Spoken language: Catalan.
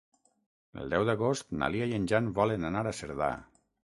El deu d'agost na Lia i en Jan volen anar a Cerdà.